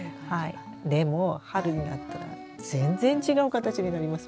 でも春になったら全然違う形になります。